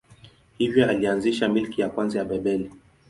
Hivyo alianzisha milki ya kwanza ya Babeli.